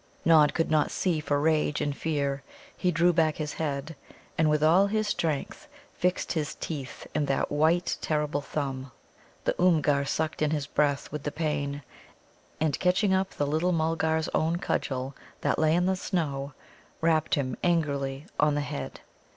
Nod could not see for rage and fear. He drew back his head, and with all his strength fixed his teeth in that white terrible thumb. The Oomgar sucked in his breath with the pain, and, catching up the little Mulgar's own cudgel that lay in the snow, rapped him angrily on the head.